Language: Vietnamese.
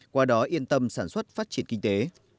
qua đó yên tâm sản xuất phát triển kinh tế